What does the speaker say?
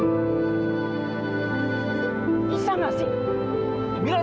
lagi pulang pun datang ke sini gara gara kakek juga